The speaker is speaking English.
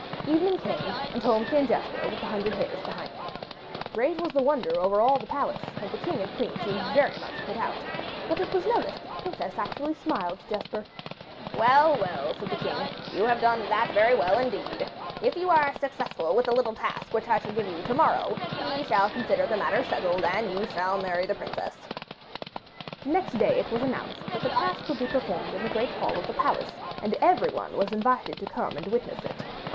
Evening came, and home came Jesper with the hundred hares behind him. Great was the wonder over all the palace, and the king and queen seemed very much put out, but it was noticed that the princess actually smiled to Jesper. 'Well, well,' said the king; 'you have done that very well indeed. If you are as successful with a little task which I shall give you to morrow we shall consider the matter settled, and you shall marry the princess.' Next day it was announced that the task would be performed in the great hall of the palace, and everyone was invited to come and witness it.